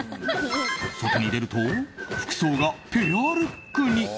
外に出ると、服装がペアルックに。